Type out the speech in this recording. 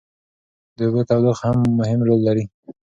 د اوبو تودوخه هم مهم رول لري.